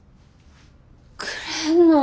くれんの？